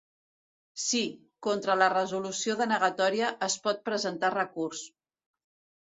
Sí, contra la resolució denegatòria es pot presentar recurs.